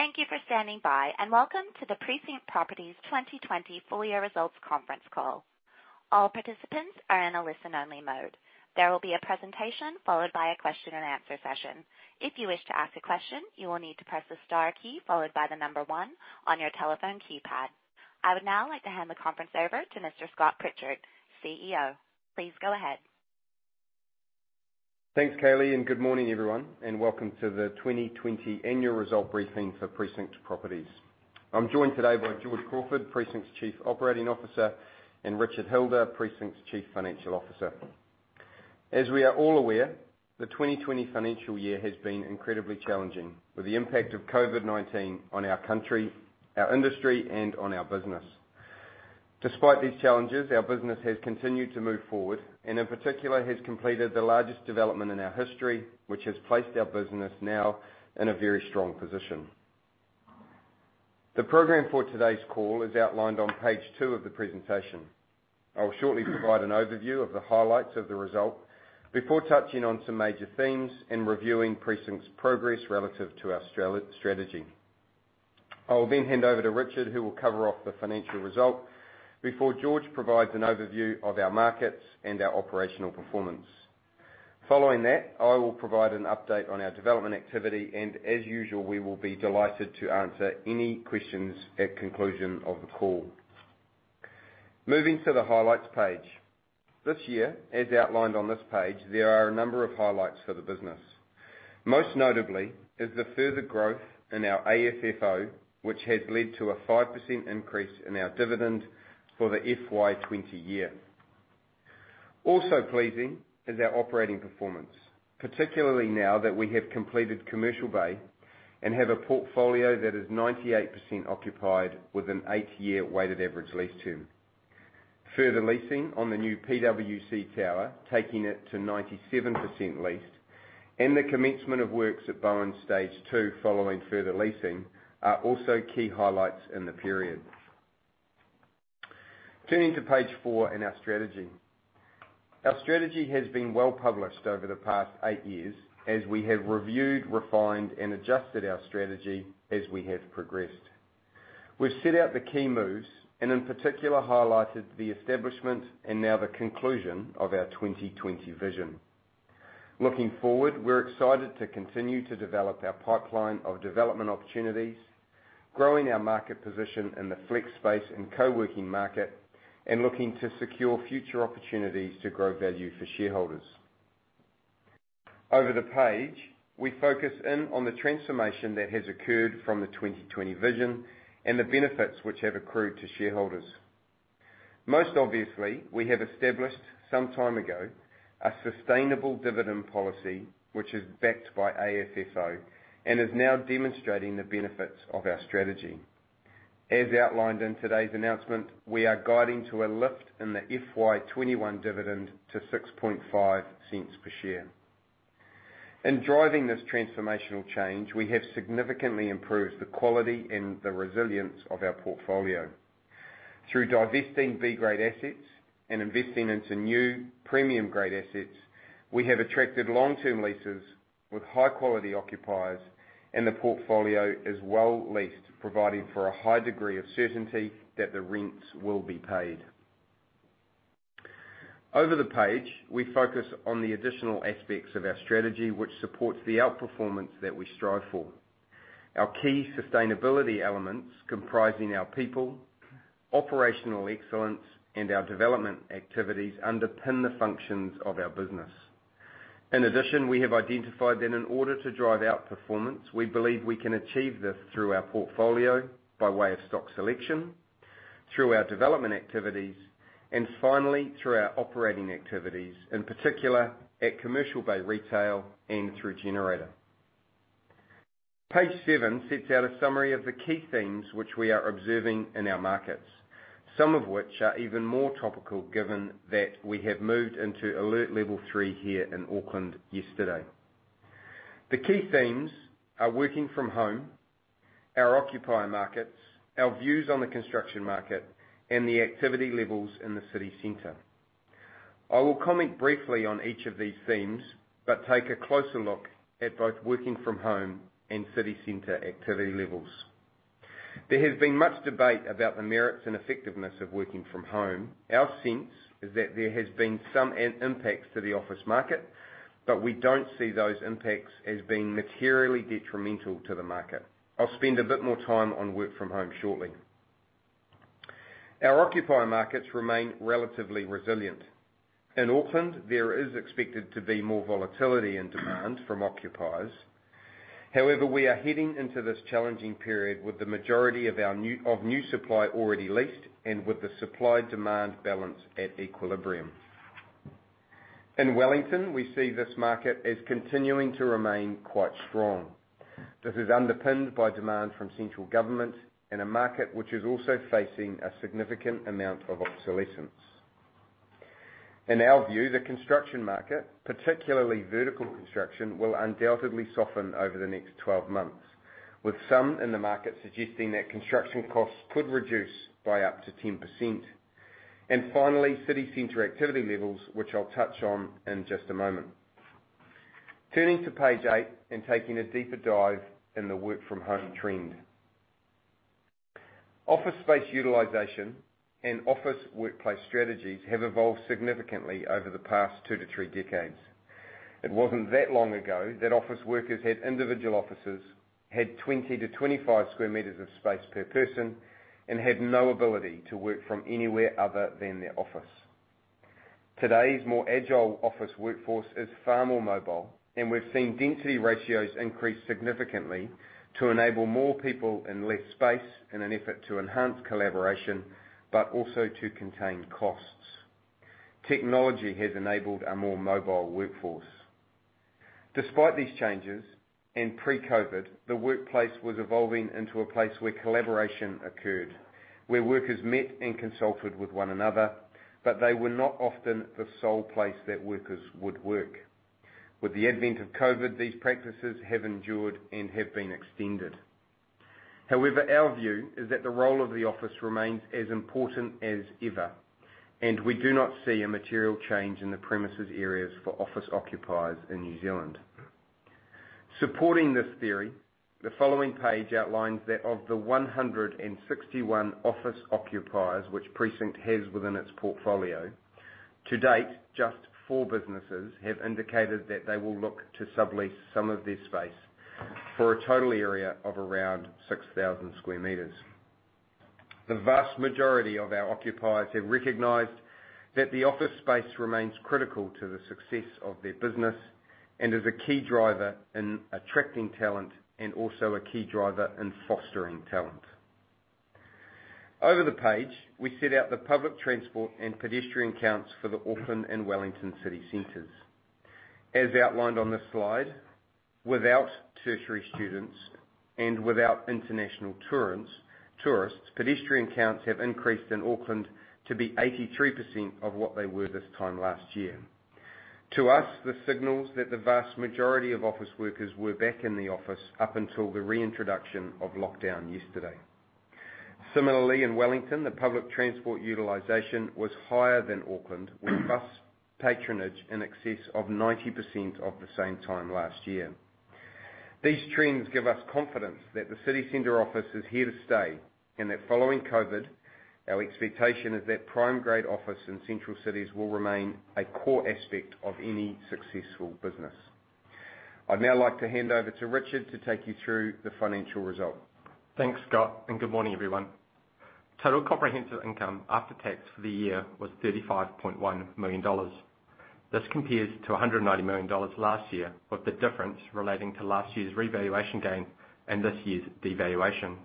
I would now like to hand the conference over to Mr. Scott Pritchard, CEO. Please go ahead. Thanks, Kaylee, good morning, everyone, welcome to the 2020 annual result briefing for Precinct Properties. I'm joined today by George Crawford, Precinct's Chief Operating Officer, and Richard Hilder, Precinct's Chief Financial Officer. As we are all aware, the 2020 financial year has been incredibly challenging, with the impact of COVID-19 on our country, our industry, and on our business. Despite these challenges, our business has continued to move forward, in particular, has completed the largest development in our history, which has placed our business now in a very strong position. The program for today's call is outlined on page two of the presentation. I will shortly provide an overview of the highlights of the result before touching on some major themes and reviewing Precinct's progress relative to our strategy. I will hand over to Richard, who will cover off the financial result before George provides an overview of our markets and our operational performance. Following that, I will provide an update on our development activity. As usual, we will be delighted to answer any questions at conclusion of the call. Moving to the highlights page. This year, as outlined on this page, there are a number of highlights for the business. Most notably is the further growth in our AFFO, which has led to a 5% increase in our dividend for the FY 2020 year. Also pleasing is our operating performance, particularly now that we have completed Commercial Bay and have a portfolio that is 98% occupied with an eight-year weighted average lease term. Further leasing on the new PwC Tower, taking it to 97% leased, and the commencement of works at Bowen Stage 2 following further leasing are also key highlights in the period. Turning to page four and our strategy. Our strategy has been well-published over the past eight years as we have reviewed, refined, and adjusted our strategy as we have progressed. We've set out the key moves, and in particular, highlighted the establishment and now the conclusion of our 2020 vision. Looking forward, we're excited to continue to develop our pipeline of development opportunities, growing our market position in the flex space and co-working market, and looking to secure future opportunities to grow value for shareholders. Over the page, we focus in on the transformation that has occurred from the 2020 vision and the benefits which have accrued to shareholders. Most obviously, we have established some time ago a sustainable dividend policy, which is backed by AFFO and is now demonstrating the benefits of our strategy. As outlined in today's announcement, we are guiding to a lift in the FY 2021 dividend to 0.065 per share. In driving this transformational change, we have significantly improved the quality and the resilience of our portfolio. Through divesting B grade assets and investing into new premium grade assets, we have attracted long-term leases with high-quality occupiers, and the portfolio is well leased, providing for a high degree of certainty that the rents will be paid. Over the page, we focus on the additional aspects of our strategy, which supports the outperformance that we strive for. Our key sustainability elements comprising our people, operational excellence, and our development activities underpin the functions of our business. In addition, we have identified that in order to drive outperformance, we believe we can achieve this through our portfolio by way of stock selection, through our development activities, and finally, through our operating activities, in particular at Commercial Bay Retail and through Generator. Page seven sets out a summary of the key themes which we are observing in our markets, some of which are even more topical given that we have moved into alert level three here in Auckland yesterday. The key themes are working from home, our occupier markets, our views on the construction market, and the activity levels in the city centre. I will comment briefly on each of these themes, but take a closer look at both working from home and city centre activity levels. There has been much debate about the merits and effectiveness of working from home. Our sense is that there has been some impacts to the office market, but we don't see those impacts as being materially detrimental to the market. I'll spend a bit more time on work from home shortly. Our occupier markets remain relatively resilient. In Auckland, there is expected to be more volatility in demand from occupiers. However, we are heading into this challenging period with the majority of new supply already leased and with the supply-demand balance at equilibrium. In Wellington, we see this market as continuing to remain quite strong. This is underpinned by demand from central government in a market which is also facing a significant amount of obsolescence. In our view, the construction market, particularly vertical construction, will undoubtedly soften over the next 12 months, with some in the market suggesting that construction costs could reduce by up to 10%. Finally, city centre activity levels, which I'll touch on in just a moment. Turning to page eight and taking a deeper dive in the work from home trend. Office space utilization and office workplace strategies have evolved significantly over the past two to three decades. It wasn't that long ago that office workers had individual offices, had 20-25 sq m of space per person, and had no ability to work from anywhere other than their office. Today's more agile office workforce is far more mobile, and we've seen density ratios increase significantly to enable more people in less space in an effort to enhance collaboration, but also to contain costs. Technology has enabled a more mobile workforce. Despite these changes, in pre-COVID, the workplace was evolving into a place where collaboration occurred, where workers met and consulted with one another, but they were not often the sole place that workers would work. With the advent of COVID, these practices have endured and have been extended. However, our view is that the role of the office remains as important as ever, and we do not see a material change in the premises areas for office occupiers in New Zealand. Supporting this theory, the following page outlines that of the 161 office occupiers, which Precinct has within its portfolio, to date, just four businesses have indicated that they will look to sublease some of their space for a total area of around 6,000 square meters. The vast majority of our occupiers have recognized that the office space remains critical to the success of their business and is a key driver in attracting talent and also a key driver in fostering talent. Over the page, we set out the public transport and pedestrian counts for the Auckland and Wellington city centres. As outlined on this slide, without tertiary students and without international tourists, pedestrian counts have increased in Auckland to be 83% of what they were this time last year. To us, this signals that the vast majority of office workers were back in the office up until the reintroduction of lockdown yesterday. Similarly, in Wellington, the public transport utilization was higher than Auckland, with bus patronage in excess of 90% of the same time last year. These trends give us confidence that the city centre office is here to stay, and that following COVID, our expectation is that prime grade office in central cities will remain a core aspect of any successful business. I'd now like to hand over to Richard to take you through the financial result. Thanks, Scott. Good morning, everyone. Total comprehensive income after tax for the year was 35.1 million dollars. This compares to 190 million dollars last year, with the difference relating to last year's revaluation gain and this year's devaluation.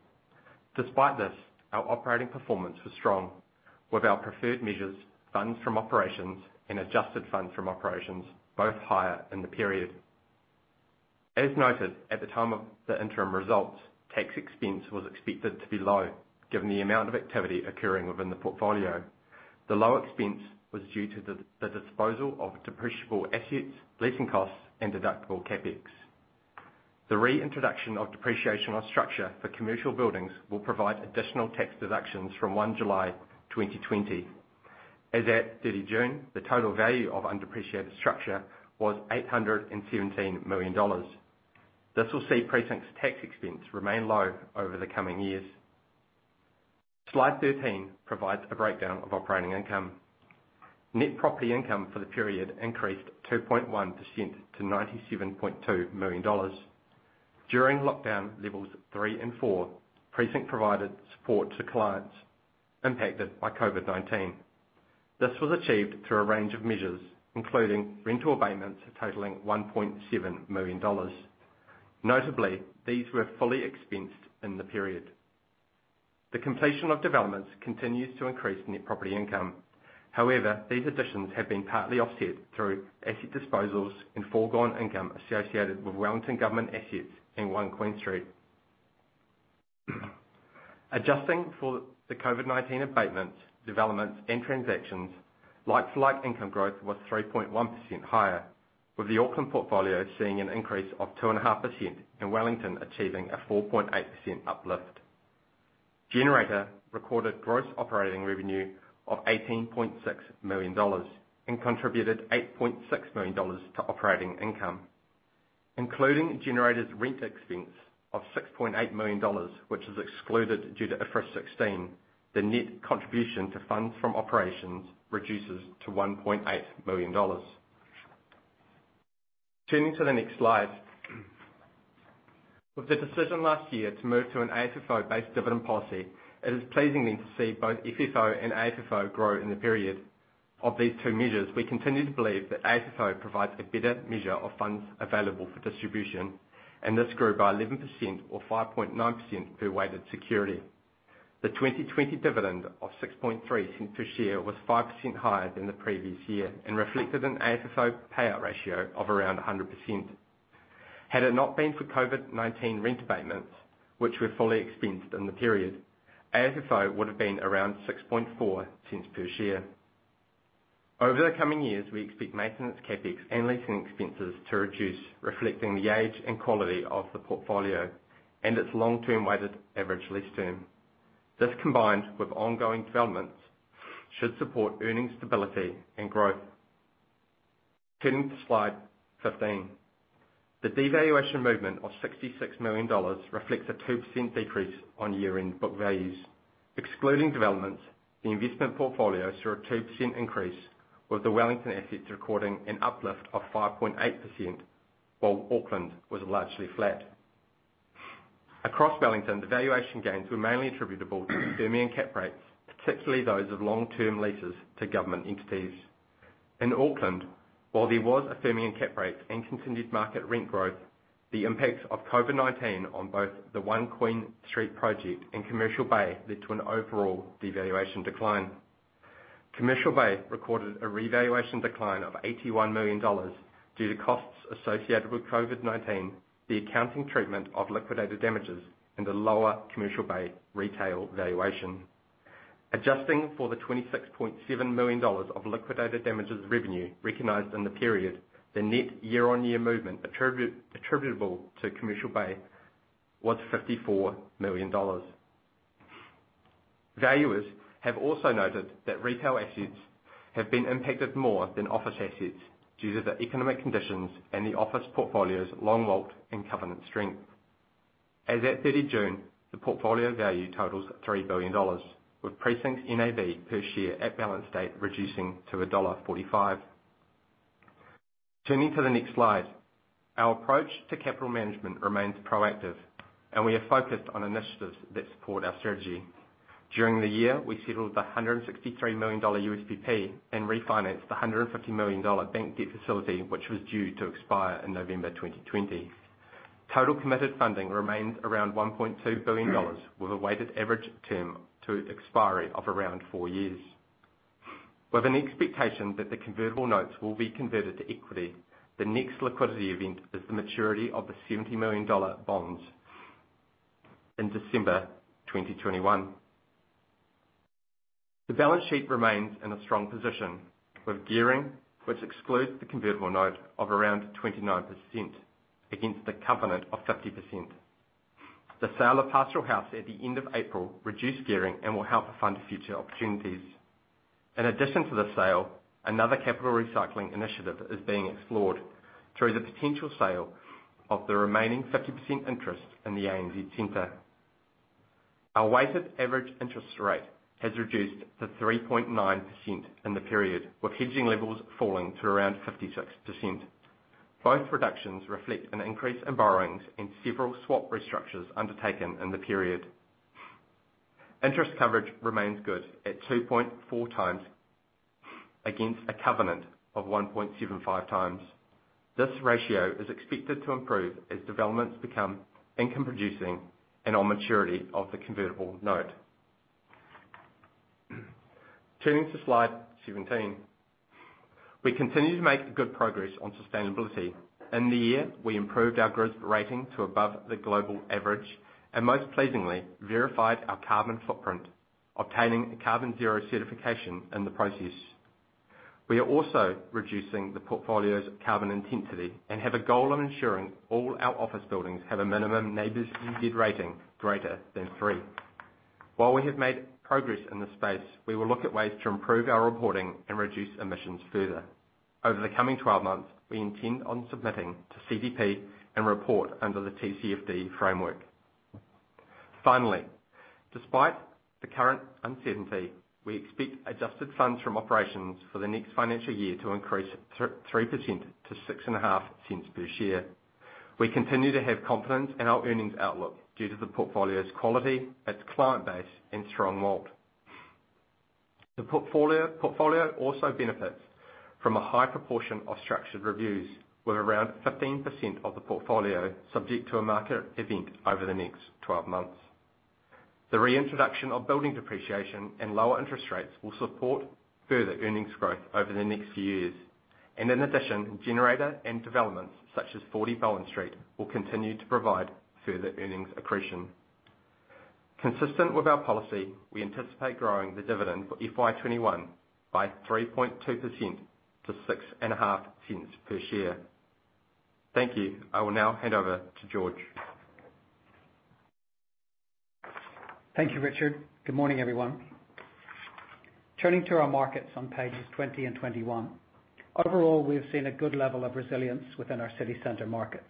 Despite this, our operating performance was strong, with our preferred measures, funds from operations and adjusted funds from operations, both higher in the period. As noted, at the time of the interim results, tax expense was expected to be low given the amount of activity occurring within the portfolio. The low expense was due to the disposal of depreciable assets, leasing costs, and deductible CapEx. The reintroduction of depreciation on structure for commercial buildings will provide additional tax deductions from 1 July 2020. As at 30 June, the total value of undepreciated structure was 817 million dollars. This will see Precinct's tax expense remain low over the coming years. Slide 13 provides a breakdown of operating income. Net property income for the period increased 2.1% to 97.2 million dollars. During lockdown levels 3 and 4, Precinct provided support to clients impacted by COVID-19. This was achieved through a range of measures, including rental abatements totaling NZD 1.7 million. Notably, these were fully expensed in the period. The completion of developments continues to increase net property income. These additions have been partly offset through asset disposals and foregone income associated with Wellington Government assets in One Queen Street. Adjusting for the COVID-19 abatements, developments, and transactions, like-to-like income growth was 3.1% higher, with the Auckland portfolio seeing an increase of 2.5% and Wellington achieving a 4.8% uplift. Generator recorded gross operating revenue of 18.6 million dollars and contributed 8.6 million dollars to operating income. Including Generator's rent expense of 6.8 million dollars, which is excluded due to IFRS 16, the net contribution to funds from operations reduces to 1.8 million dollars. Turning to the next slide. With the decision last year to move to an AFFO-based dividend policy, it is pleasing me to see both FFO and AFFO grow in the period. Of these two measures, we continue to believe that AFFO provides a better measure of funds available for distribution, and this grew by 11% or 5.9% per weighted security. The 2020 dividend of 0.063 per share was 5% higher than the previous year and reflected an AFFO payout ratio of around 100%. Had it not been for COVID-19 rent abatements, which were fully expensed in the period, AFFO would have been around 0.064 per share. Over the coming years, we expect maintenance CapEx and leasing expenses to reduce, reflecting the age and quality of the portfolio and its long-term weighted average lease term. This, combined with ongoing developments, should support earnings stability and growth. Turning to slide 15. The devaluation movement of 66 million dollars reflects a 2% decrease on year-end book values. Excluding developments, the investment portfolio saw a 2% increase, with the Wellington assets recording an uplift of 5.8%, while Auckland was largely flat. Across Wellington, the valuation gains were mainly attributable to affirming cap rates, particularly those of long-term leases to government entities. In Auckland, while there was affirming cap rates and continued market rent growth, the impact of COVID-19 on both the One Queen Street project and Commercial Bay led to an overall devaluation decline. Commercial Bay recorded a revaluation decline of 81 million dollars due to costs associated with COVID-19, the accounting treatment of liquidated damages, and the lower Commercial Bay retail valuation. Adjusting for the 26.7 million dollars of liquidated damages revenue recognized in the period, the net year-on-year movement attributable to Commercial Bay was 54 million dollars. Valuers have also noted that retail assets have been impacted more than office assets due to the economic conditions and the office portfolio's long-WALT and covenant strength. As at 30 June, the portfolio value totals 3 billion dollars, with Precinct's NAV per share at balance date reducing to dollar 1.45. Turning to the next slide. Our approach to capital management remains proactive, and we are focused on initiatives that support our strategy. During the year, we settled the 163 million dollar USPP and refinanced the 150 million dollar bank debt facility, which was due to expire in November 2020. Total committed funding remains around 1.2 billion dollars, with a weighted average term to expiry of around four years. With an expectation that the convertible notes will be converted to equity, the next liquidity event is the maturity of the 70 million dollar bonds in December 2021. The balance sheet remains in a strong position, with gearing, which excludes the convertible note, of around 29% against the covenant of 50%. The sale of Pastoral House at the end of April reduced gearing and will help to fund future opportunities. In addition to the sale, another capital recycling initiative is being explored through the potential sale of the remaining 50% interest in the ANZ Centre. Our weighted average interest rate has reduced to 3.9% in the period, with hedging levels falling to around 56%. Both reductions reflect an increase in borrowings and several swap restructures undertaken in the period. Interest coverage remains good at 2.4x against a covenant of 1.75x. This ratio is expected to improve as developments become income producing and on maturity of the convertible note. Turning to slide 17. We continue to make good progress on sustainability. In the year, we improved our GRESB rating to above the global average, and most pleasingly, verified our carbon footprint, obtaining a carboNZero certification in the process. We are also reducing the portfolio's carbon intensity and have a goal of ensuring all our office buildings have a minimum NABERSNZ rating greater than three. While we have made progress in this space, we will look at ways to improve our reporting and reduce emissions further. Over the coming 12 months, we intend on submitting to CDP and report under the TCFD framework. Finally, despite the current uncertainty, we expect adjusted funds from operations for the next financial year to increase 3% to 0.065 per share. We continue to have confidence in our earnings outlook due to the portfolio's quality, its client base, and strong WALT. The portfolio also benefits from a high proportion of structured reviews, with around 15% of the portfolio subject to a market event over the next 12 months. The reintroduction of building depreciation and lower interest rates will support further earnings growth over the next years. In addition, Generator and developments such as 40 Bowen Street will continue to provide further earnings accretion. Consistent with our policy, we anticipate growing the dividend for FY 2021 by 3.2% to 0.065 per share. Thank you. I will now hand over to George. Thank you, Richard. Good morning, everyone. Turning to our markets on pages 20 and 21. Overall, we've seen a good level of resilience within our city centre markets,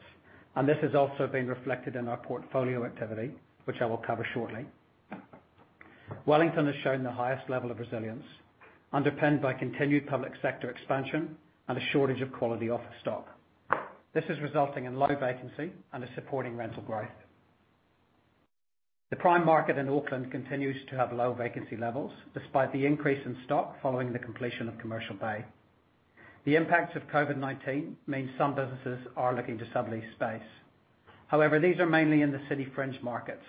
and this has also been reflected in our portfolio activity, which I will cover shortly. Wellington has shown the highest level of resilience, underpinned by continued public sector expansion and a shortage of quality office stock. This is resulting in low vacancy and is supporting rental growth. The prime market in Auckland continues to have low vacancy levels, despite the increase in stock following the completion of Commercial Bay. The impact of COVID-19 means some businesses are looking to sublease space. However, these are mainly in the city fringe markets,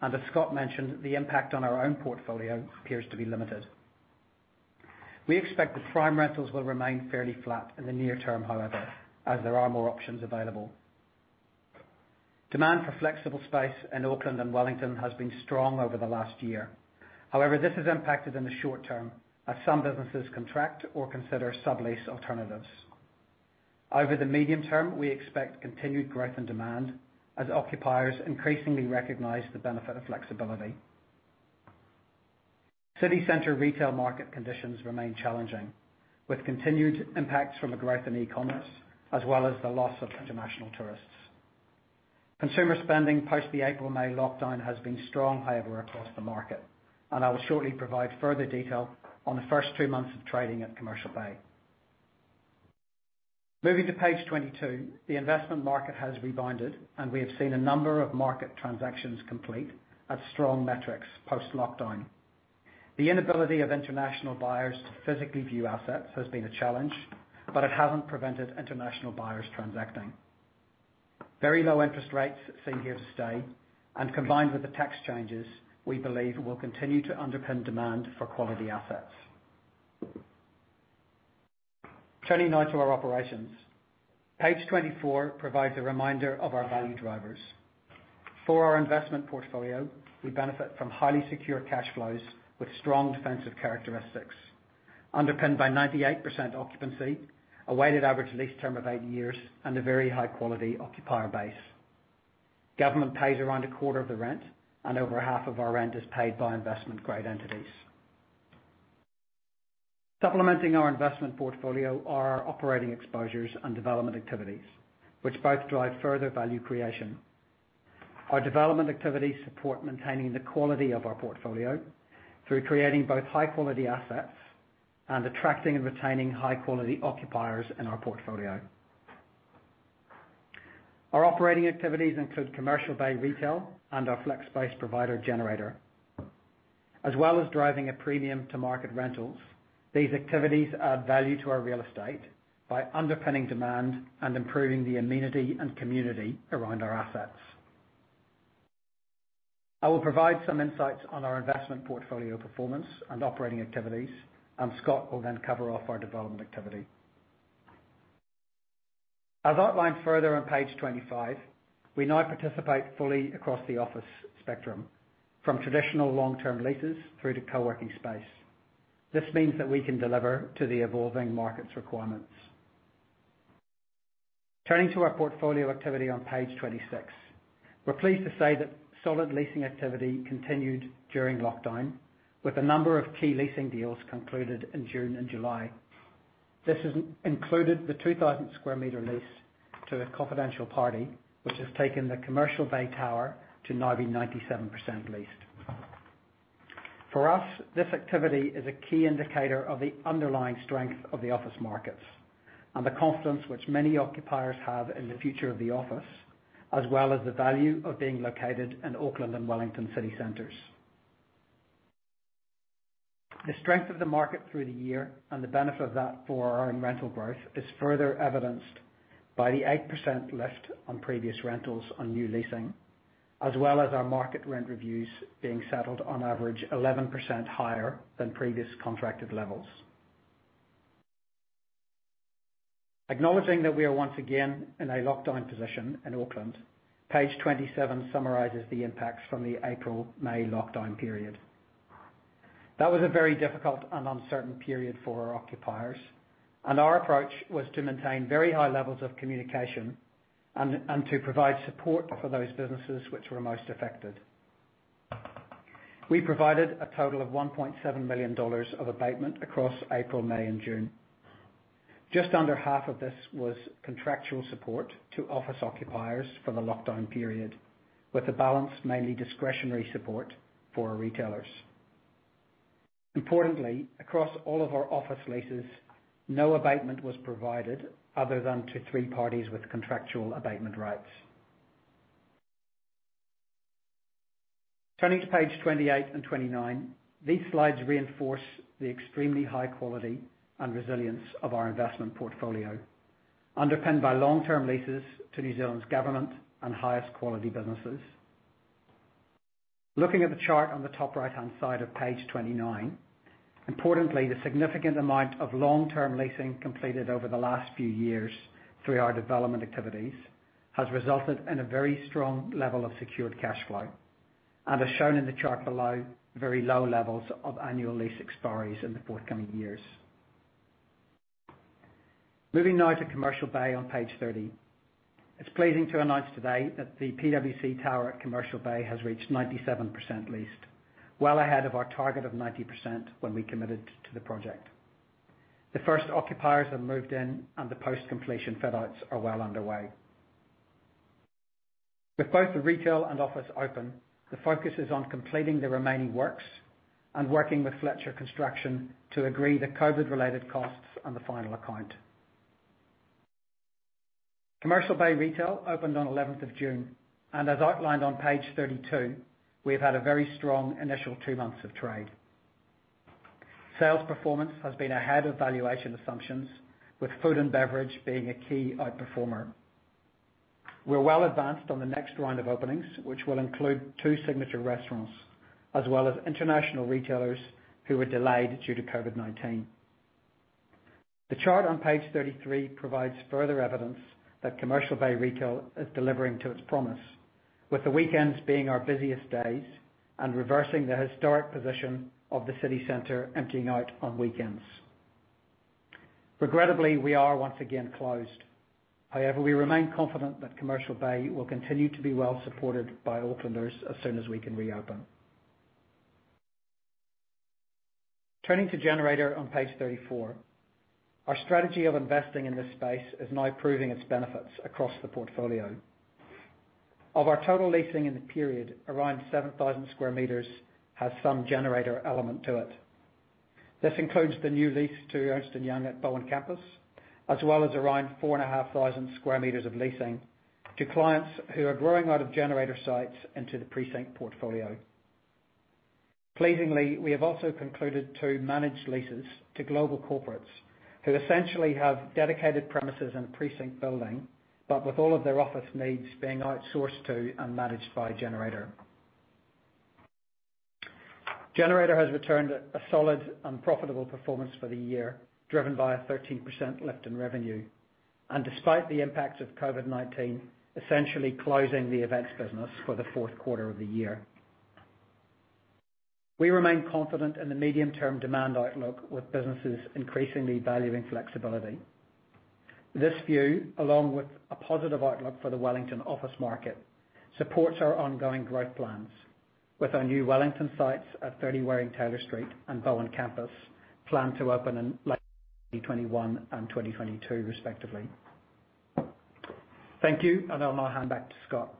and as Scott mentioned, the impact on our own portfolio appears to be limited. We expect the prime rentals will remain fairly flat in the near term, however, as there are more options available. Demand for flexible space in Auckland and Wellington has been strong over the last year. This has impacted in the short term as some businesses contract or consider sublease alternatives. Over the medium term, we expect continued growth and demand as occupiers increasingly recognize the benefit of flexibility. City centre retail market conditions remain challenging, with continued impacts from the growth in e-commerce, as well as the loss of international tourists. Consumer spending post the April-May lockdown has been strong, however, across the market, and I will shortly provide further detail on the first two months of trading at Commercial Bay. Moving to page 22, the investment market has rebounded, and we have seen a number of market transactions complete at strong metrics post-lockdown. The inability of international buyers to physically view assets has been a challenge, but it hasn't prevented international buyers transacting. Very low interest rates seem here to stay and combined with the tax changes, we believe will continue to underpin demand for quality assets. Turning now to our operations. Page 24 provides a reminder of our value drivers. For our investment portfolio, we benefit from highly secure cash flows with strong defensive characteristics underpinned by 98% occupancy, a weighted average lease term of eight years and a very high-quality occupier base. Government pays around a quarter of the rent and over half of our rent is paid by investment-grade entities. Supplementing our investment portfolio are our operating exposures and development activities, which both drive further value creation. Our development activities support maintaining the quality of our portfolio through creating both high-quality assets and attracting and retaining high-quality occupiers in our portfolio. Our operating activities include Commercial Bay retail and our flex space provider Generator. As well as driving a premium to market rentals, these activities add value to our real estate by underpinning demand and improving the amenity and community around our assets. I will provide some insights on our investment portfolio performance and operating activities, and Scott will then cover off our development activity. As outlined further on page 25, we now participate fully across the office spectrum, from traditional long-term leases through to co-working space. This means that we can deliver to the evolving markets requirements. Turning to our portfolio activity on page 26. We're pleased to say that solid leasing activity continued during lockdown, with a number of key leasing deals concluded in June and July. This has included the 2,000 square meter lease to a confidential party, which has taken the Commercial Bay tower to now be 97% leased. For us, this activity is a key indicator of the underlying strength of the office markets and the confidence which many occupiers have in the future of the office, as well as the value of being located in Auckland and Wellington city centres. The strength of the market through the year and the benefit of that for our own rental growth is further evidenced by the 8% lift on previous rentals on new leasing, as well as our market rent reviews being settled on average 11% higher than previous contracted levels. Acknowledging that we are once again in a lockdown position in Auckland, page 27 summarizes the impacts from the April-May lockdown period. That was a very difficult and uncertain period for our occupiers, and our approach was to maintain very high levels of communication and to provide support for those businesses which were most affected. We provided a total of 1.7 million dollars of abatement across April, May, and June. Just under half of this was contractual support to office occupiers for the lockdown period, with the balance mainly discretionary support for our retailers. Importantly, across all of our office leases, no abatement was provided other than to three parties with contractual abatement rights. Turning to page 28 and 29. These slides reinforce the extremely high quality and resilience of our investment portfolio, underpinned by long-term leases to New Zealand's government and highest quality businesses. Looking at the chart on the top right-hand side of page 29, importantly, the significant amount of long-term leasing completed over the last few years through our development activities has resulted in a very strong level of secured cash flow and as shown in the chart below, very low levels of annual lease expiries in the forthcoming years. Moving now to Commercial Bay on page 30. It's pleasing to announce today that the PwC Tower at Commercial Bay has reached 97% leased, well ahead of our target of 90% when we committed to the project. The first occupiers have moved in and the post-completion fit-outs are well underway. With both the retail and office open, the focus is on completing the remaining works and working with Fletcher Construction to agree the COVID-related costs and the final account. Commercial Bay retail opened on 11th of June, and as outlined on page 32, we have had a very strong initial two months of trade. Sales performance has been ahead of valuation assumptions, with food and beverage being a key outperformer. We are well advanced on the next round of openings, which will include two signature restaurants, as well as international retailers who were delayed due to COVID-19. The chart on page 33 provides further evidence that Commercial Bay retail is delivering to its promise, with the weekends being our busiest days and reversing the historic position of the city centre emptying out on weekends. Regrettably, we are once again closed. However, we remain confident that Commercial Bay will continue to be well supported by Aucklanders as soon as we can reopen. Turning to Generator on page 34. Our strategy of investing in this space is now proving its benefits across the portfolio. Of our total leasing in the period, around 7,000 sq m has some Generator element to it. This includes the new lease to Ernst & Young at Bowen Campus, as well as around 4,500 sq m of leasing to clients who are growing out of Generator sites into the Precinct portfolio. Pleasingly, we have also concluded two managed leases to global corporates who essentially have dedicated premises in a Precinct building, but with all of their office needs being outsourced to and managed by Generator. Generator has returned a solid and profitable performance for the year, driven by a 13% lift in revenue. Despite the impacts of COVID-19, essentially closing the events business for the fourth quarter of the year. We remain confident in the medium-term demand outlook, with businesses increasingly valuing flexibility. This view, along with a positive outlook for the Wellington office market, supports our ongoing growth plans with our new Wellington sites at 30 Waring Taylor Street and Bowen Campus, planned to open in late 2021 and 2022 respectively. Thank you, and I'll now hand back to Scott.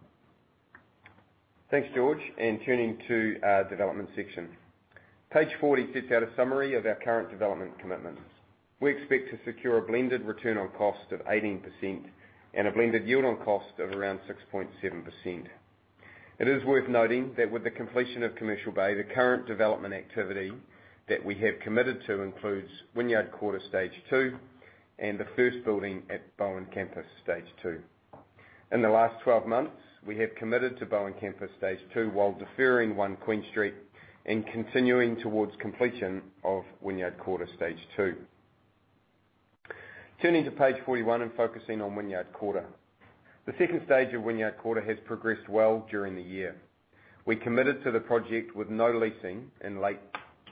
Thanks, George. Turning to our development section. Page 40 sets out a summary of our current development commitments. We expect to secure a blended return on cost of 18% and a blended yield on cost of around 6.7%. It is worth noting that with the completion of Commercial Bay, the current development activity that we have committed to includes Wynyard Quarter stage 2 and the first building at Bowen Campus Stage 2. In the last 12 months, we have committed to Bowen Campus stage 2, while deferring One Queen Street and continuing towards completion of Wynyard Quarter stage 2. Turning to page 41 and focusing on Wynyard Quarter. The second stage of Wynyard Quarter has progressed well during the year. We committed to the project with no leasing in late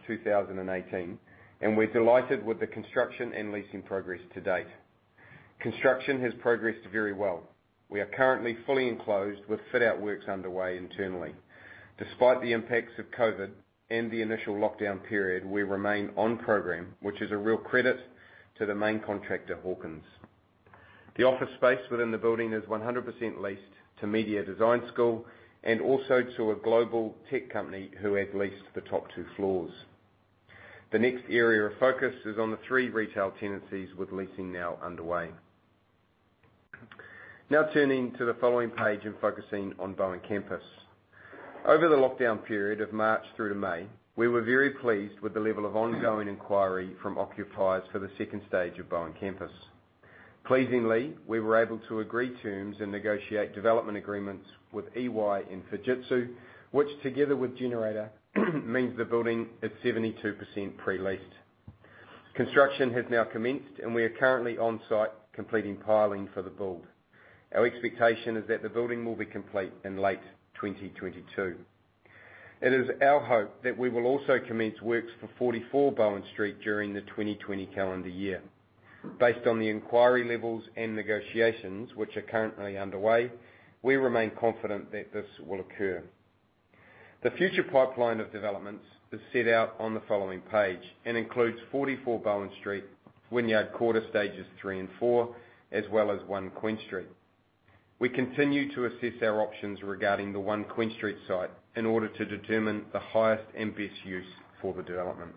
2018, and we're delighted with the construction and leasing progress to date. Construction has progressed very well. We are currently fully enclosed with fit-out works underway internally. Despite the impacts of COVID and the initial lockdown period, we remain on program, which is a real credit to the main contractor, Hawkins. The office space within the building is 100% leased to Media Design School and also to a global tech company who have leased the top two floors. The next area of focus is on the three retail tenancies with leasing now underway. Now turning to the following page and focusing on Bowen Campus. Over the lockdown period of March through to May, we were very pleased with the level of ongoing inquiry from occupiers for the stage 2 of Bowen Campus. Pleasingly, we were able to agree terms and negotiate development agreements with EY and Fujitsu, which together with Generator, means the building is 72% pre-leased. Construction has now commenced, and we are currently on site completing piling for the build. Our expectation is that the building will be complete in late 2022. It is our hope that we will also commence works for 44 Bowen Street during the 2020 calendar year. Based on the inquiry levels and negotiations which are currently underway, we remain confident that this will occur. The future pipeline of developments is set out on the following page and includes 44 Bowen Street, Wynyard Quarter stages 3 and 4, as well as One Queen Street. We continue to assess our options regarding the One Queen Street site in order to determine the highest and best use for the development.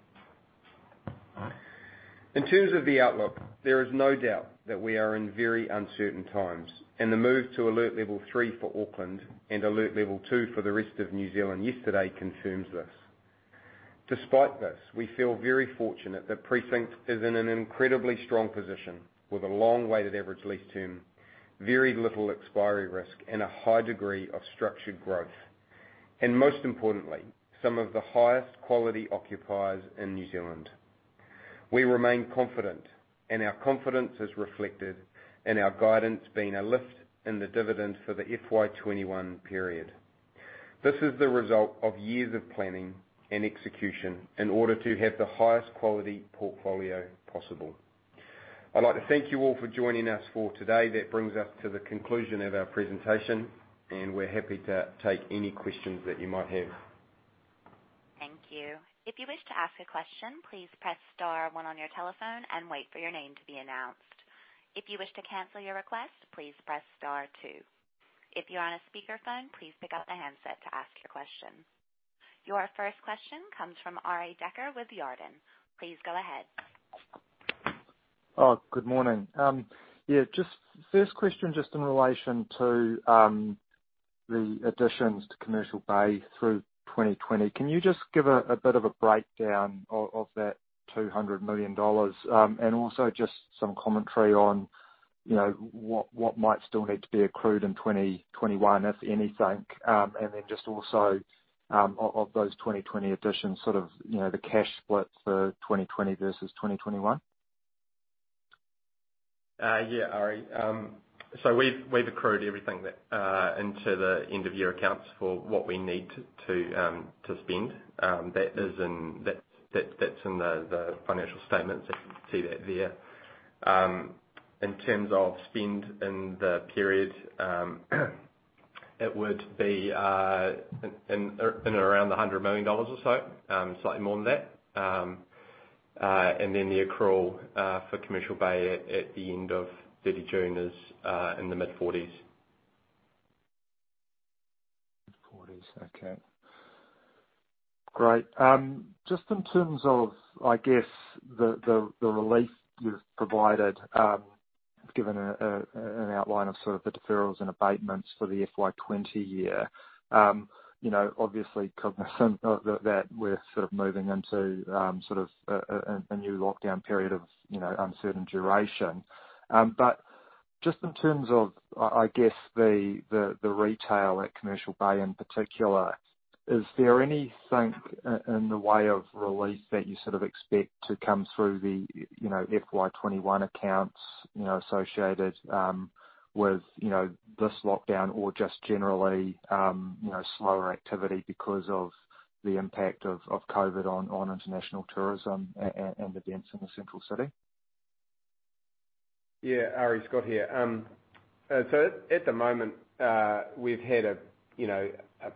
In terms of the outlook, there is no doubt that we are in very uncertain times, and the move to alert level 3 for Auckland and alert level 2 for the rest of New Zealand yesterday confirms this. Despite this, we feel very fortunate that Precinct is in an incredibly strong position with a long weighted average lease term, very little expiry risk, and a high degree of structured growth. Most importantly, some of the highest quality occupiers in New Zealand. We remain confident, and our confidence is reflected in our guidance being a lift in the dividend for the FY 2021 period. This is the result of years of planning and execution in order to have the highest quality portfolio possible. I'd like to thank you all for joining us for today. That brings us to the conclusion of our presentation, and we're happy to take any questions that you might have. Thank you. If you wish to ask a question, please press star one on your telephone and wait for your name to be announced. If you wish to cancel your request, please press star two. If you are on a speakerphone, please pick up the handset to ask your question. Your first question comes from Arie Dekker with Jarden. Please go ahead. Good morning. Yeah, first question just in relation to the additions to Commercial Bay through 2020. Can you just give a bit of a breakdown of that 200 million dollars? Also just some commentary on what might still need to be accrued in 2021, if anything? Then just also of those 2020 additions, the cash split for 2020 versus 2021? Arie. We've accrued everything into the end of year accounts for what we need to spend. That's in the financial statements if you see that there. In terms of spend in the period, it would be in and around 100 million dollars or so, slightly more than that. The accrual for Commercial Bay at the end of 30 June is in the mid-NZD 40s. 40s, okay. Great. Just in terms of, I guess, the relief you've provided, given an outline of the deferrals and abatements for the FY 2020 year. Obviously cognizant of that, we're moving into a new lockdown period of uncertain duration. But just in terms of, I guess, the retail at Commercial Bay in particular, is there anything in the way of relief that you expect to come through the FY 2021 accounts associated with this lockdown or just generally slower activity because of the impact of COVID on international tourism and events in the central city? Yeah, Arie. Scott here. At the moment, we've had a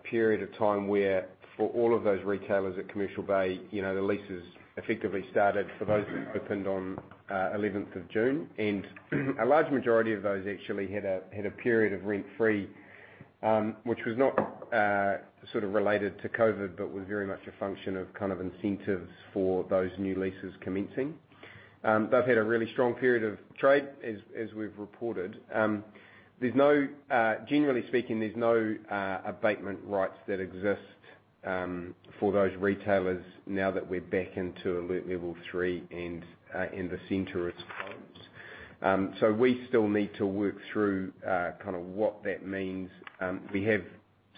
period of time where for all of those retailers at Commercial Bay, the leases effectively started for those that opened on 11th of June. A large majority of those actually had a period of rent-free, which was not related to COVID-19, but was very much a function of incentives for those new leases commencing. They've had a really strong period of trade, as we've reported. Generally speaking, there's no abatement rights that exist for those retailers now that we're back into alert level 3 and the centre is closed. We still need to work through what that means. We have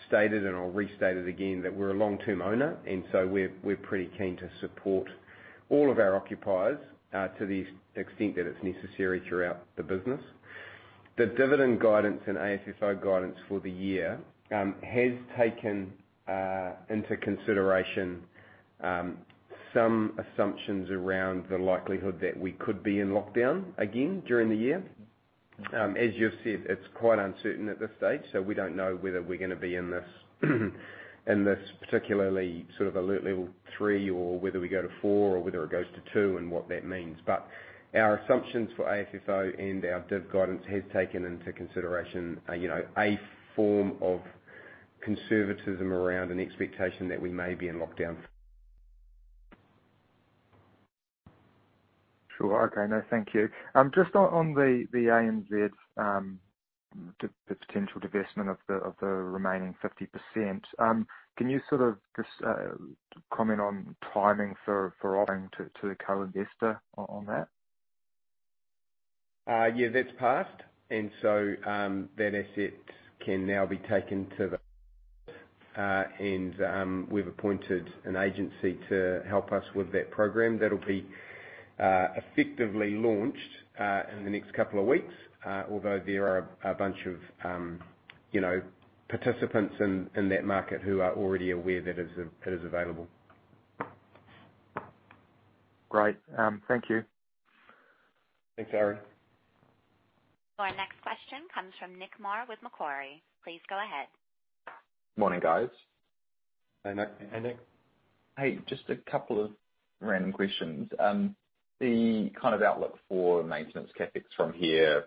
stated, and I'll restate it again, that we're a long-term owner, and so we're pretty keen to support all of our occupiers to the extent that it's necessary throughout the business. The dividend guidance and AFFO guidance for the year has taken into consideration some assumptions around the likelihood that we could be in lockdown again during the year. As you've said, it's quite uncertain at this stage, we don't know whether we're going to be in this particularly alert level 3, or whether we go to 4, or whether it goes to 2 and what that means. Our assumptions for AFFO and our div guidance has taken into consideration a form of conservatism around an expectation that we may be in lockdown. Sure. Okay. No, thank you. Just on the ANZ potential divestment of the remaining 50%. Can you just comment on timing for offering to the co-investor on that? Yeah, that's passed. So that asset can now be taken to the and we've appointed an agency to help us with that program. That'll be effectively launched in the next couple of weeks, although there are a bunch of participants in that market who are already aware that it is available. Great. Thank you. Thanks, Arie. Our next question comes from Nick Mar with Macquarie. Please go ahead. Morning, guys. Hey, Nick. Hey, just a couple of random questions. The outlook for maintenance CapEx from here,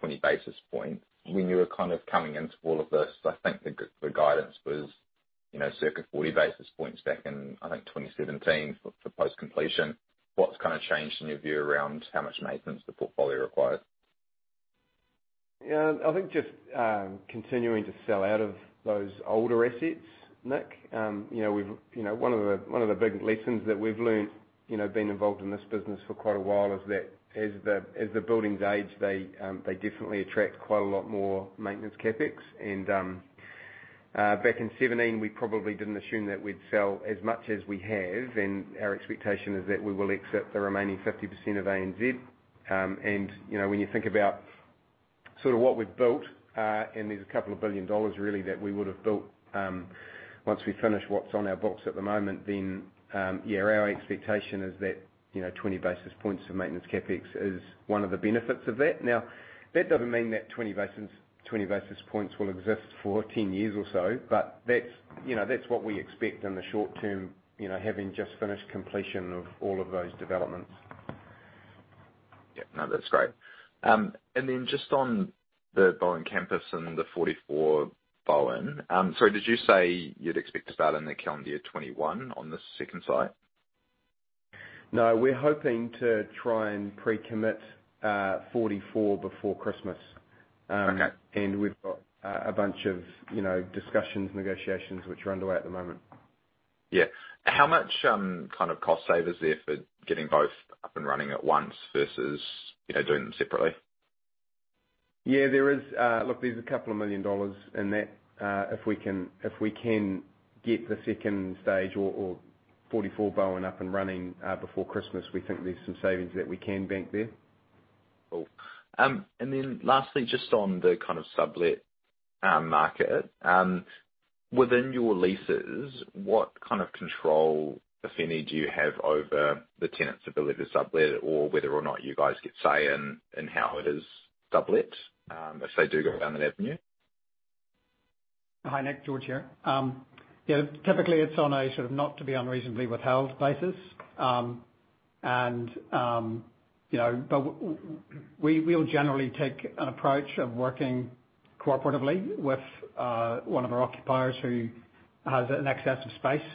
20 basis points. When you were coming into all of this, I think the guidance was circa 40 basis points back in, I think, 2017 for post-completion. What's changed in your view around how much maintenance the portfolio requires? I think just continuing to sell out of those older assets, Nick. One of the big lessons that we've learned, being involved in this business for quite a while, is that as the buildings age, they definitely attract quite a lot more maintenance CapEx. Back in 2017, we probably didn't assume that we'd sell as much as we have, and our expectation is that we will exit the remaining 50% of ANZ. When you think about what we've built, and there's a couple of billion NZD really that we would have built once we finish what's on our books at the moment, our expectation is that 20 basis points for maintenance CapEx is one of the benefits of that. Now, that doesn't mean that 20 basis points will exist for 10 years or so, but that's what we expect in the short term, having just finished completion of all of those developments. Yeah. No, that's great. Just on the Bowen Campus and the 44 Bowen. Sorry, did you say you'd expect to start in the calendar year 2021 on the second site? No, we're hoping to try and pre-commit 44 before Christmas. Okay. We've got a bunch of discussions, negotiations which are underway at the moment. Yeah. How much cost save is there for getting both up and running at once versus doing them separately? Yeah. Look, there's a couple of million dollars in that. If we can get the stage 2 or 44 Bowen up and running before Christmas, we think there's some savings that we can bank there. Cool. Lastly, just on the kind of sublet market. Within your leases, what kind of control, if any, do you have over the tenant's ability to sublet or whether or not you guys get say in how it is sublet, if they do go down that avenue? Hi, Nick. George here. Yeah, typically it's on a sort of not to be unreasonably withheld basis. We'll generally take an approach of working cooperatively with one of our occupiers who has an excess of space,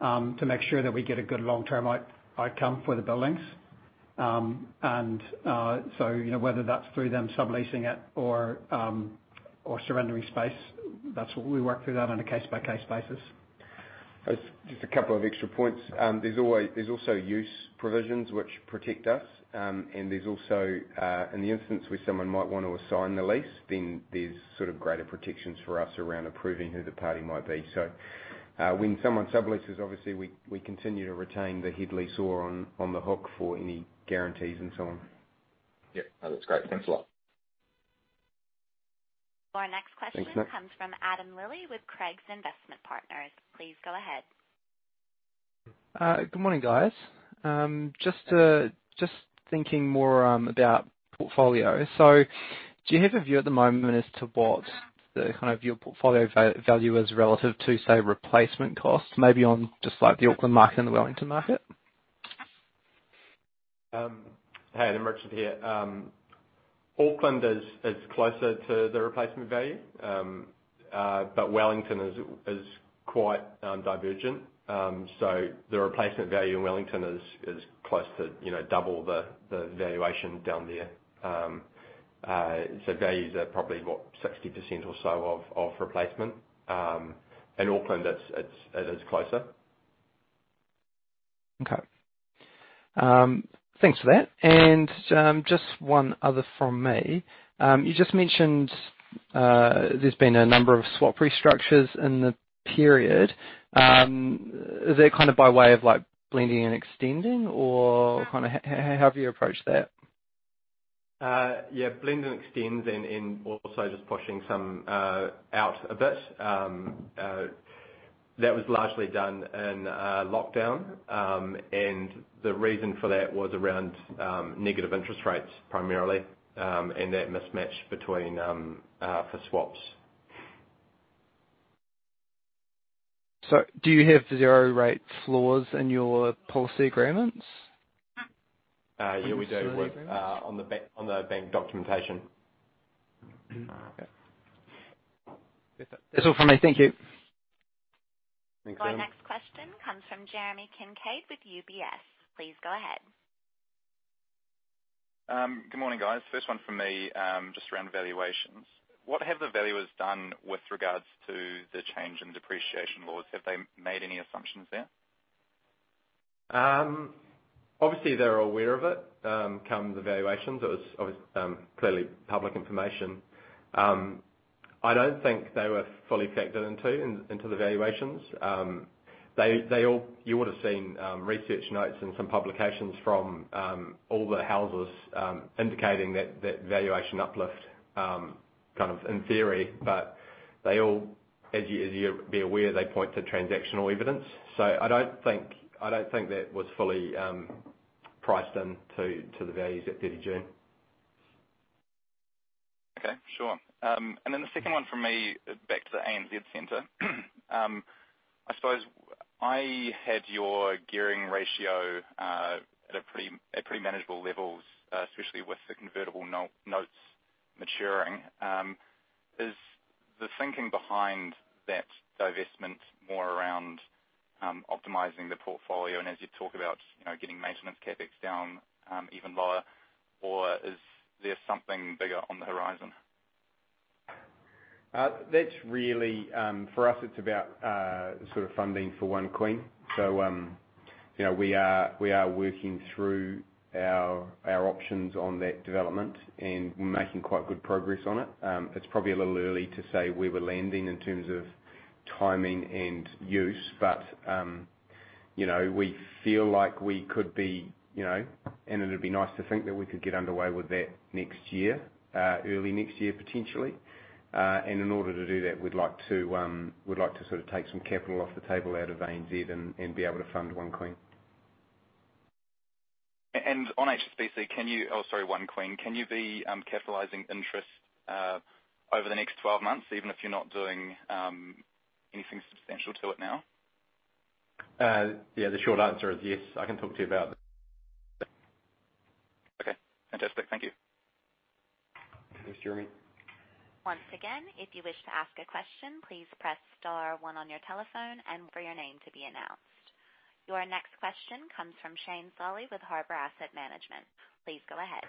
to make sure that we get a good long-term outcome for the buildings. Whether that's through them subleasing it or surrendering space, that's what we work through that on a case-by-case basis. Just a couple of extra points. There's also use provisions which protect us. There's also, in the instance where someone might want to assign the lease, then there's sort of greater protections for us around approving who the party might be. When someone sublets, obviously, we continue to retain the head lessor the hook for any guarantees and so on. Yeah. No, that's great. Thanks a lot. Our next question. Thanks, Nick. comes from Adam Lilley with Craigs Investment Partners. Please go ahead. Good morning, guys. Just thinking more about portfolio. Do you have a view at the moment as to what your portfolio value is relative to, say, replacement costs? Maybe on just like the Auckland market and the Wellington market. Hey, Richard here. Auckland is closer to the replacement value, but Wellington is quite divergent. The replacement value in Wellington is close to double the valuation down there. Values are probably what, 60% or so of replacement. In Auckland it is closer. Okay. Thanks for that. Just one other from me. You just mentioned, there's been a number of swap restructures in the period. Is that by way of blending and extending, or how have you approached that? Yeah. Blend and extend and also just pushing some out a bit. That was largely done in lockdown. The reason for that was around negative interest rates primarily, and that mismatch between for swaps. Do you have zero-rate floors in your policy agreements? Yeah. In those policy agreements. on the bank documentation. Okay. That's all for me. Thank you. Thanks, Adam. Our next question comes from Jeremy Kincaid with UBS. Please go ahead. Good morning, guys. First one from me, just around valuations. What have the valuers done with regards to the change in depreciation laws? Have they made any assumptions there? They're aware of it, come the valuations. It was clearly public information. I don't think they were fully factored into the valuations. You would've seen research notes and some publications from all the houses, indicating that valuation uplift in theory, but as you'd be aware, they point to transactional evidence. I don't think that was fully priced into the values at 30 June. Okay, sure. The second one from me, back to the ANZ Centre. I suppose I had your gearing ratio at a pretty manageable levels, especially with the convertible notes maturing. Is the thinking behind that divestment more around optimizing the portfolio and as you talk about, getting maintenance CapEx down even lower or is there something bigger on the horizon? For us, it's about sort of funding for One Queen. We are working through our options on that development and we're making quite good progress on it. It's probably a little early to say where we're landing in terms of timing and use, but we feel like it'd be nice to think that we could get underway with that next year, early next year, potentially. In order to do that, we'd like to take some capital off the table out of ANZ and be able to fund One Queen. On HSBC, sorry, One Queen, can you be capitalizing interest over the next 12 months even if you're not doing anything substantial to it now? Yeah, the short answer is yes. I can talk to you about that. Okay, fantastic. Thank you. Thanks, Jeremy. Once again, if you wish to ask a question, please press star one on your telephone and for your name to be announced. Your next question comes from Shane Solly with Harbour Asset Management. Please go ahead.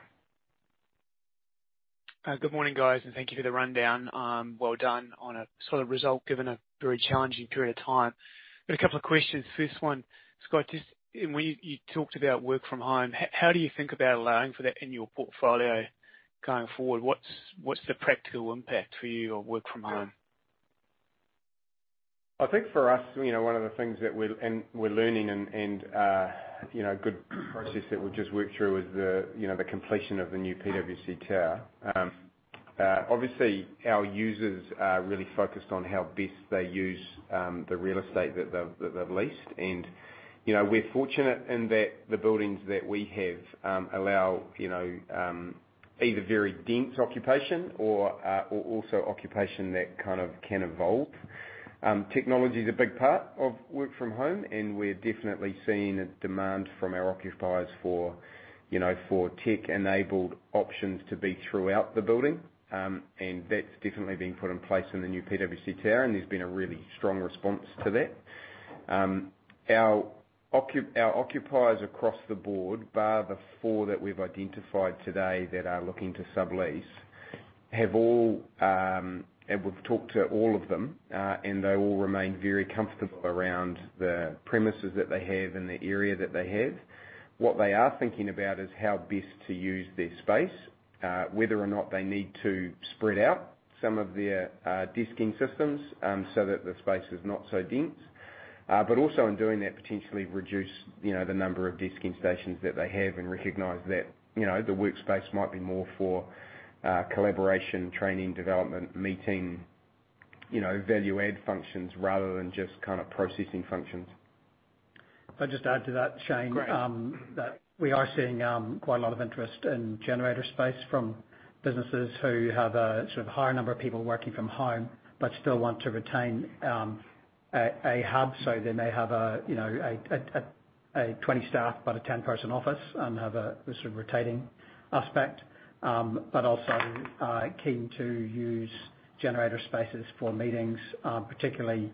Good morning, guys, and thank you for the rundown. Well done on a solid result given a very challenging period of time. Got a couple of questions. First one, Scott, just in when you talked about work from home, how do you think about allowing for that in your portfolio going forward? What's the practical impact for you on work from home? I think for us, one of the things that we're learning and a good process that we've just worked through is the completion of the new PwC Tower. Obviously, our users are really focused on how best they use the real estate that they've leased. We're fortunate in that the buildings that we have allow either very dense occupation or also occupation that can evolve. Technology is a big part of work from home, and we're definitely seeing a demand from our occupiers for tech-enabled options to be throughout the building. That's definitely being put in place in the new PwC Tower, and there's been a really strong response to that. Our occupiers across the board, bar the four that we've identified today that are looking to sublease, and we've talked to all of them, and they all remain very comfortable around the premises that they have and the area that they have. What they are thinking about is how best to use their space, whether or not they need to spread out some of their desking systems, so that the space is not so dense. Also in doing that, they potentially reduce the number of desking stations that they have and recognize that the workspace might be more for collaboration, training, development, meeting, value-add functions rather than just processing functions. If I just add to that, Shane. Great that we are seeing quite a lot of interest in Generator space from businesses who have a higher number of people working from home but still want to retain a hub. They may have a 20 staff but a 10-person office and have a sort of rotating aspect. Also are keen to use Generator spaces for meetings, particularly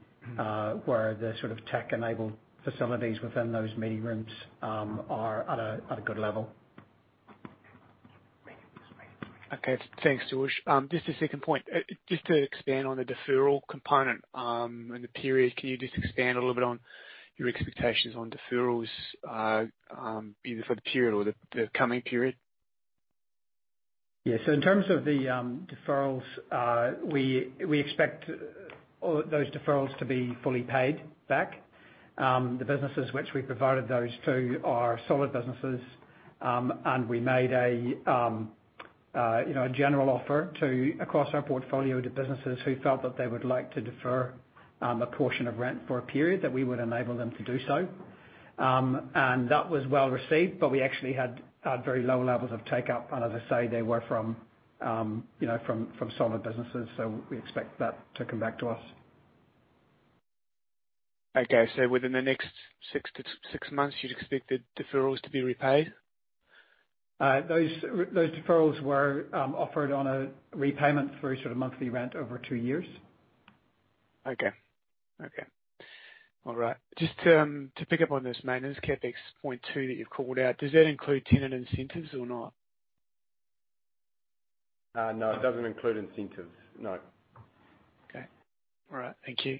where the tech-enabled facilities within those meeting rooms are at a good level. Okay. Thanks, George. Just a second point. Just to expand on the deferral component, and the period, can you just expand a little bit on your expectations on deferrals, either for the period or the coming period? Yeah. In terms of the deferrals, we expect all those deferrals to be fully paid back. The businesses which we provided those to are solid businesses. We made a general offer across our portfolio to businesses who felt that they would like to defer a portion of rent for a period, that we would enable them to do so. That was well-received, but we actually had very low levels of take-up. As I say, they were from solid businesses, so we expect that to come back to us. Okay. Within the next six months, you'd expect the deferrals to be repaid? Those deferrals were offered on a repayment through monthly rent over two years. Okay. All right. Just to pick up on this maintenance CapEx point too that you've called out. Does that include tenant incentives or not? No, it doesn't include incentives. No. Okay. All right. Thank you.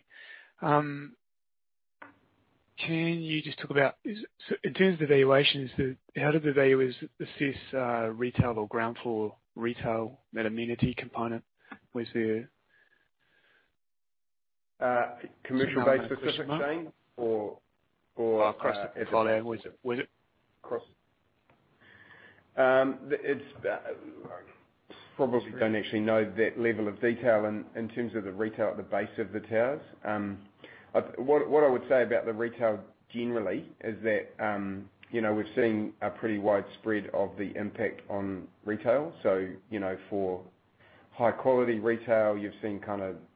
Can you just talk about, in terms of the valuations, how did the valuers assess retail or ground floor retail, that amenity component? Commercial Bay specific, Shane? Across the portfolio. Probably don't actually know that level of detail in terms of the retail at the base of the towers. What I would say about the retail generally is that, we're seeing a pretty wide spread of the impact on retail. For high-quality retail, you've seen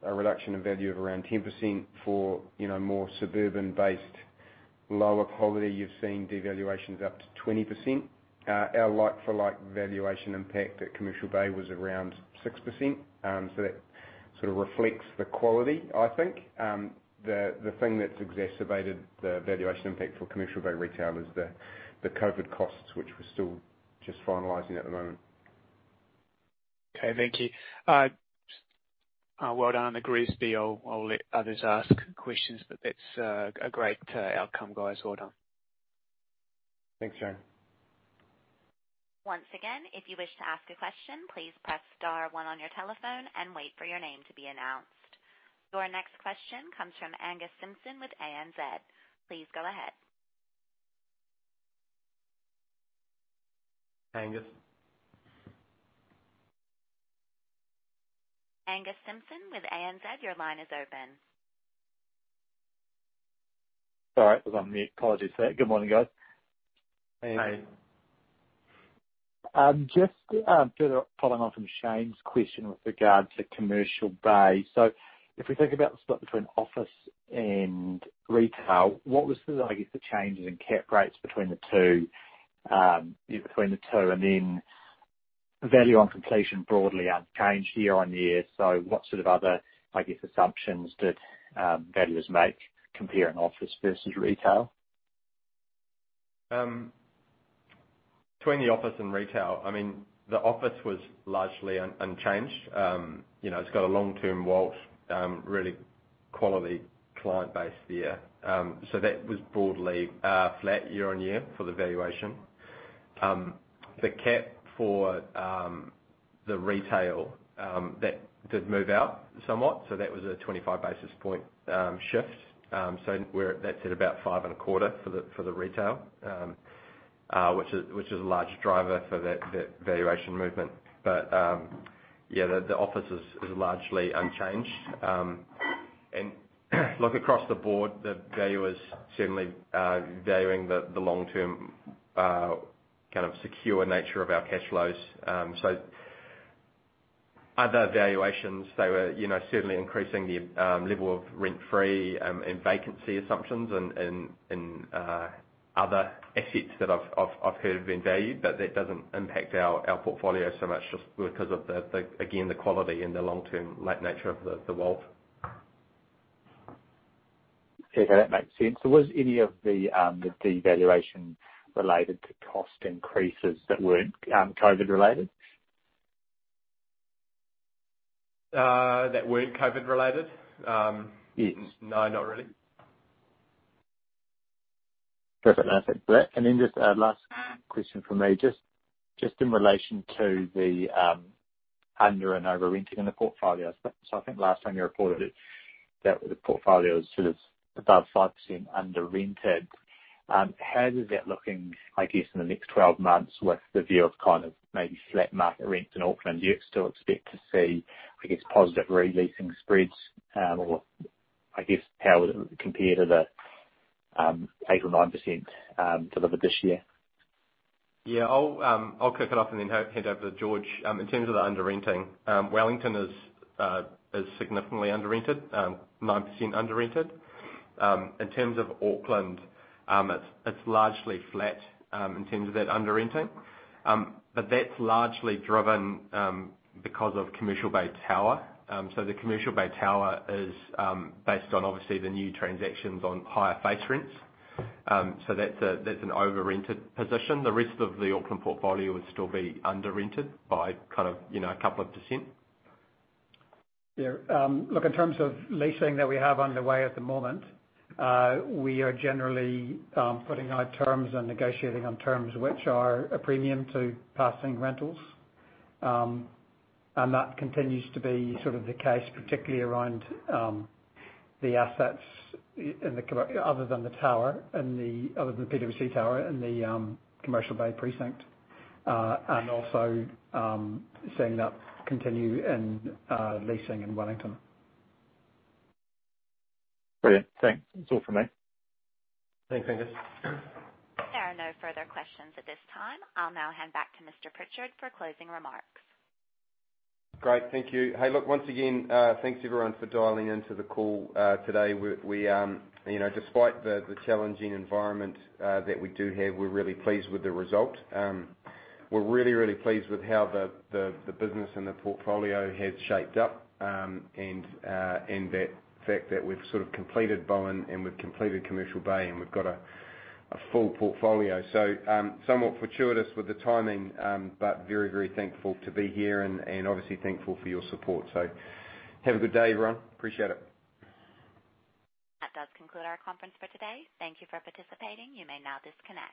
a reduction in value of around 10%. For more suburban-based, lower quality, you've seen devaluations up to 20%. Our like for like valuation impact at Commercial Bay was around 6%. That sort of reflects the quality, I think. The thing that's exacerbated the valuation impact for Commercial Bay retail is the COVID costs, which we're still just finalizing at the moment. Okay. Thank you. Well done. Agree with you. I'll let others ask questions, but that's a great outcome, guys. Well done. Thanks, Shane. Your next question comes from Angus Simpson with ANZ. Please go ahead. Angus. Angus Simpson with ANZ. Sorry, I was on mute. Apologies for that. Good morning, guys. Hey. Hey. Just further following on from Shane's question with regard to Commercial Bay. If we think about the split between office and retail, what was the changes in cap rates between the two, and then value on completion broadly unchanged year on year. What sort of other, I guess, assumptions did valuers make comparing office versus retail? Between the office and retail, the office was largely unchanged. It's got a long-term WALT, really quality client base there. That was broadly flat year-on-year for the valuation. The cap for the retail, that did move out somewhat. That was a 25 basis point shift. That's at about five and a quarter for the retail, which is a large driver for that valuation movement. The office is largely unchanged. Look, across the board, the value is certainly valuing the long-term secure nature of our cash flows. Other valuations, they were certainly increasing the level of rent-free and vacancy assumptions in other assets that I've heard have been valued. That doesn't impact our portfolio so much just because of the, again, the quality and the long-term nature of the WALT. Okay. That makes sense. Was any of the devaluation related to cost increases that weren't COVID related? That weren't COVID related? Yes. No, not really. Perfect. Thanks for that. Just a last question from me. Just in relation to the under and over renting in the portfolio. I think last time you reported it, that the portfolio was above 5% under rented. How does that looking, I guess, in the next 12 months with the view of maybe flat market rents in Auckland? Do you still expect to see, I guess, positive re-leasing spreads? I guess how would it compare to the 8% or 9% delivered this year? Yeah. I'll kick it off and then hand over to George. In terms of the under renting, Wellington is significantly under rented, 9% under rented. In terms of Auckland, it's largely flat in terms of that under renting. That's largely driven because of Commercial Bay Tower. The Commercial Bay Tower is based on obviously the new transactions on higher face rents. That's an over rented position. The rest of the Auckland portfolio would still be under-rented by a couple of percent. Yeah. Look, in terms of leasing that we have underway at the moment, we are generally putting out terms and negotiating on terms which are a premium to passing rentals. That continues to be the case, particularly around the assets other than the PwC Tower and the Commercial Bay precinct. Also seeing that continue in leasing in Wellington. Brilliant. Thanks. That's all from me. Thanks, Angus. There are no further questions at this time. I'll now hand back to Mr. Pritchard for closing remarks. Great. Thank you. Hey, look, once again, thanks everyone for dialing into the call today. Despite the challenging environment that we do have, we're really, really pleased with the result. We're really, really pleased with how the business and the portfolio has shaped up, and that fact that we've completed Bowen and we've completed Commercial Bay and we've got a full portfolio. Somewhat fortuitous with the timing, but very, very thankful to be here and obviously thankful for your support. Have a good day, everyone. Appreciate it. That does conclude our conference for today. Thank you for participating. You may now disconnect.